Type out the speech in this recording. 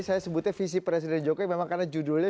saya sebutnya visi presiden jokowi memang karena judulnya